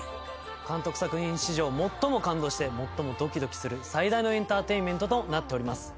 監督作品史上最も感動して最もドキドキする最大のエンターテインメントとなっております。